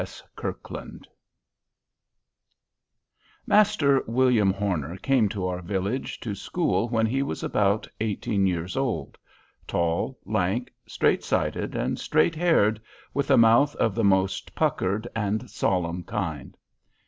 S. Kirkland (1801–1864) Master William Horner came to our village to school when he was about eighteen years old: tall, lank, straight sided, and straight haired, with a mouth of the most puckered and solemn kind.